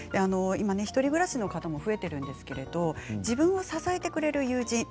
今、１人暮らしの方も増えているんですけれど自分を支えてくれる友人